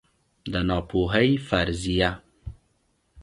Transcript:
د ناپوهۍ فرضیه